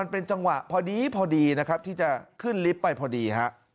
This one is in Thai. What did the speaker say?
เป็นจังหวะพอดีที่จะขึ้นลิฟท์ไปพอดี